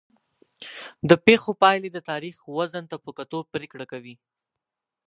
د پېښو پایلې د تاریخ وزن ته په کتو پرېکړه کوي.